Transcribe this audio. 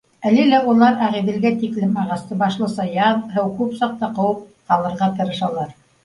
Әле лә улар Ағиҙелгә тиклем ағасты башлыса яҙ, һыу күп саҡта, ҡыуып ҡалырға тырышалар